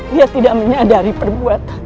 dia tidak menyadari perbuatannya